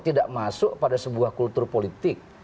tidak masuk pada sebuah kultur politik